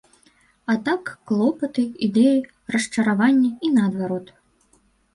А так, клопаты, ідэі, расчараванні і наадварот.